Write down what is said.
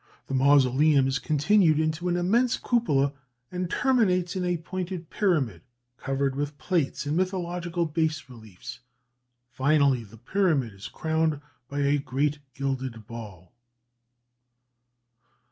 "The mausoleum is continued into an immense cupola, and terminates in a pointed pyramid, covered with plates and mythological bas reliefs. Finally, the pyramid is crowned by a great gilded ball."